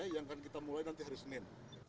yang akan kita mulai nanti hari senin